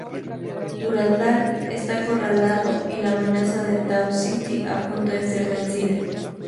Durandal está acorralado y la amenaza de Tau Ceti a punto de ser vencida.